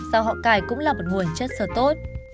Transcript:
rau họ cải cũng là một nguồn chất sơ tốt